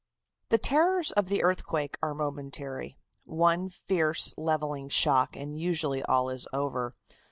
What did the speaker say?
The terrors of the earthquake are momentary. One fierce, levelling shock and usually all is over.